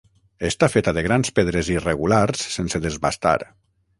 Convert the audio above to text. Està feta de grans pedres irregulars sense desbastar.